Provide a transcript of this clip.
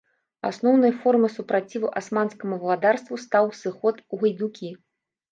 Асноўнай формай супраціву асманскаму валадарству стаў сыход у гайдукі.